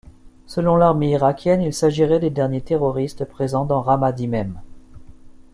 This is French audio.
Selon l'armée irakienne, il s'agirait des derniers terroristes présents dans Ramadi même.